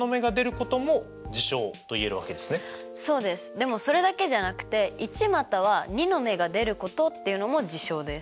でもそれだけじゃなくて１または２の目が出ることっていうのも事象です。